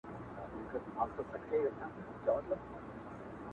له عوامو او ټیټي طبقي څخه به